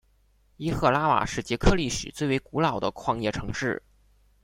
伊赫拉瓦是捷克历史最为古老的矿业城市。